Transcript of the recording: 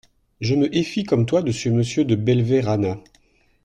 Je me éfie comme toi de ce Monsieur De Belverana.